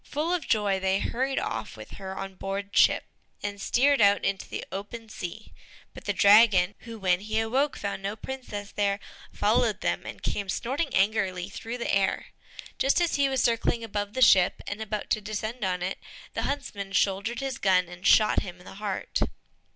Full of joy, they hurried off with her on board ship, and steered out into the open sea; but the dragon, who when he awoke had found no princess there, followed them, and came snorting angrily through the air. Just as he was circling above the ship, and about to descend on it, the huntsman shouldered his gun, and shot him to the heart.